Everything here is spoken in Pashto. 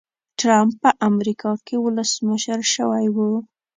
ټرمپ په امریکا کې ولسمشر شوی و.